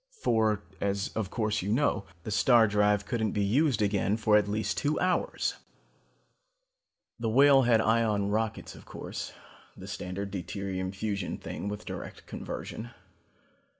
For, as of course you know, the star drive couldn't be used again for at least two hours. "The Whale also had ion rockets of course, the standard deuterium fusion thing with direct conversion.